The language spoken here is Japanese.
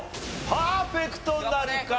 パーフェクトなるか？